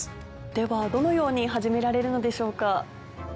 ではどのように始められるのでしょうか。